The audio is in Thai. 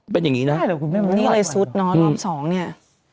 เป็นอย่างนี้นะ